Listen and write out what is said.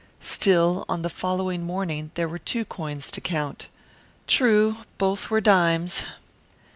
Still, on the following morning there were two coins to count. True, both were dimes.